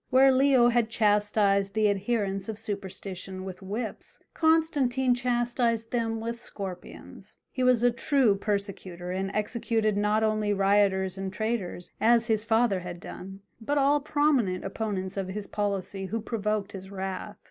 Where Leo had chastised the adherents of superstition with whips Constantine chastised them with scorpions. He was a true persecutor, and executed not only rioters and traitors, as his father had done, but all prominent opponents of his policy who provoked his wrath.